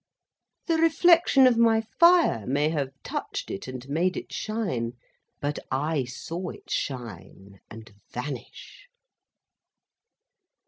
The reflection of my fire may have touched it and made it shine; but, I saw it shine and vanish.